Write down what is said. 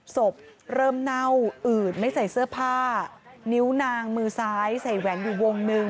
ศพเริ่มเน่าอืดไม่ใส่เสื้อผ้านิ้วนางมือซ้ายใส่แหวนอยู่วงหนึ่ง